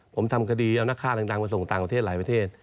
ผมทำคดีเอานักฆ่าดังมาส่งต่างประเทศหลายประเทศ